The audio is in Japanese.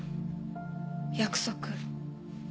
約束？